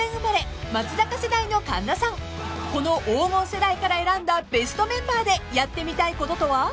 ［この黄金世代から選んだベストメンバーでやってみたいこととは？］